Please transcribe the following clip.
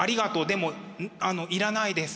でもあのいらないです。